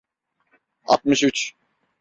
Altmış üç.